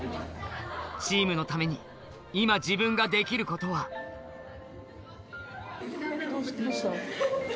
⁉チームのために今自分ができることはどうした？